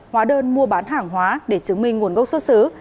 hóa đơn mua bán hàng hóa để chứng minh nguồn gốc xuất xứ